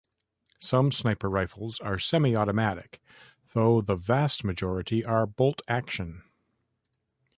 Some sniper rifles are semi-automatic, though the vast majority are bolt-action.